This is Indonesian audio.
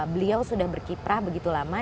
beliau sudah berkiprah begitu lama